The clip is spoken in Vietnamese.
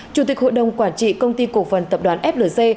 chủ tịch hội đồng quản trị công ty cổ phần tập đoàn flc